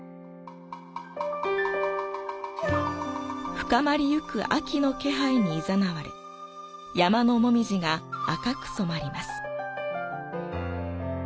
深まりゆく秋の気配にいざなわれ、山のもみじが赤く染まります。